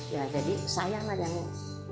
ya jadi sayang aja nih